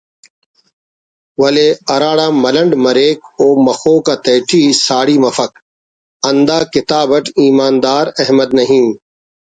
ولے ہراڑا ملنڈ مریک او مخوک آتیٹی ساڑی مفک ہندا کتاب اٹ ایماندار احمد نعیم